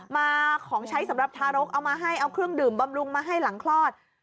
มาของใช้สำหรับทารกเอามาให้เอาเครื่องดื่มบำรุงมาให้หลังคลอด